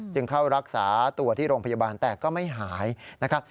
เข้ารักษาตัวที่โรงพยาบาลแต่ก็ไม่หายนะครับ